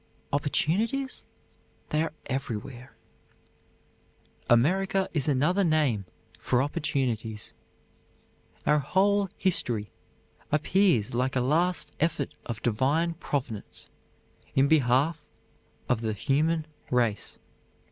Opportunities? They are everywhere. "America is another name for opportunities. Our whole history appears like a last effort of divine Providence in behalf of the human race."